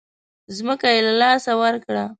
ځمکه یې له لاسه ورکړه.